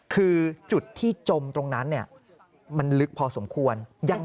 คือจุดที่จมตรงนั้นมันลึกพอสมควร